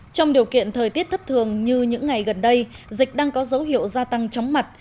trong điều kiện thời tiết thất thường như những ngày gần đây dịch đang có dấu hiệu gia tăng chóng mặt